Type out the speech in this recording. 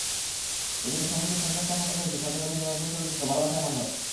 এদিকে সম্প্রতি সেন্সর ছাড়পত্র পেয়েছে সাজ্জাদ অভিনীত নতুন চলচ্চিত্র ভালোবাসা এমন হয়।